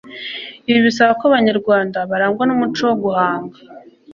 ibi bisaba kandi ko abanyarwanda barangwa n'umuco wo guhanga